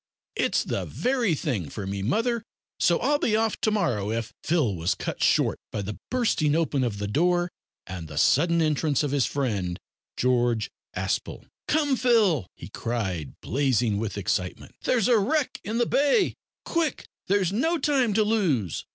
It's the very thing for me, mother, so I'll be off to morrow if " Phil was cut short by the bursting open of the door and the sudden entrance of his friend George Aspel. "Come, Phil," he cried, blazing with excitement, "there's a wreck in the bay. Quick! there's no time to lose."